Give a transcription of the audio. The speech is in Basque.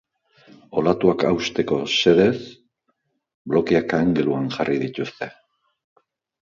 Olatuak hausteko xedez, blokeak angeluan jarri dituzte.